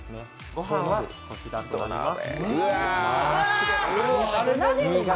ご飯はこちらになっています。